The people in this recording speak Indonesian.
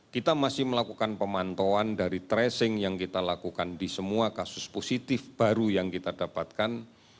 kita masih melakukan pemantauan dari tracing yang kita lakukan di semua kasus positif baru yang kita dapatkan